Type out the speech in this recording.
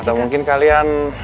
atau mungkin kalian